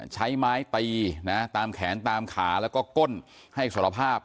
ใช้ไม้ตีนะตามแขนตามขาแล้วก็ก้นให้สารภาพ